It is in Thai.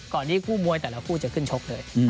ที่คู่มวยแต่ละคู่จะขึ้นชกเลย